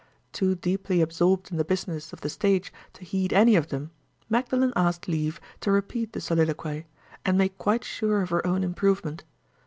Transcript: Too deeply absorbed in the business of the stage to heed any of them, Magdalen asked leave to repeat the soliloquy, and make quite sure of her own improvement.